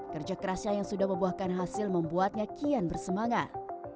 kerja kerasnya yang sudah membuahkan hasil membuatnya kian bersemangat